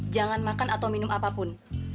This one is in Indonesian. jangan makan atau minum apapun